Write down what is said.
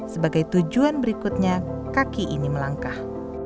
sebagai tujuan berikutnya kaki ini melangkah